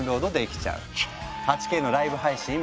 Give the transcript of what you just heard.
８Ｋのライブ配信